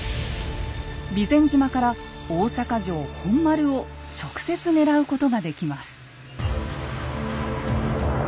備前島から大坂城本丸を直接狙うことができます。